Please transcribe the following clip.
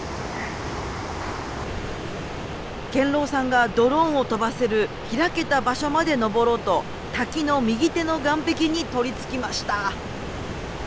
健郎さんがドローンを飛ばせる開けた場所まで登ろうと滝の右手の岩壁に取りつきました。